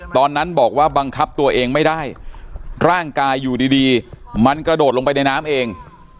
ตอนนั้นบอกว่าบังคับตัวเองไม่ได้ร่างกายอยู่ดีมันกระโดดลงไปในน้ำเอง